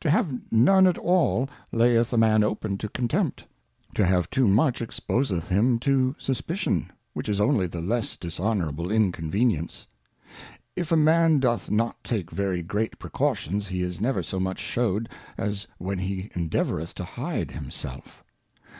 To have none at all layeth a Man open to Contempt, to have too much exposeth him to Suspicion, which is only the less dishonourable Inconvenience. If a Man doth not take very great Precautions, he is never so much shewed as when he endeavoureth to hide himself.